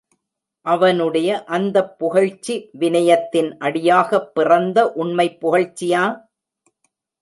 அவனுடைய அந்தப் புகழ்ச்சி விநயத்தின் அடியாகப் பிறந்த உண்மைப் புகழ்ச்சியா?